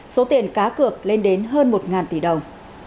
số tiền cá cược lên đến hơn một tỷ đồng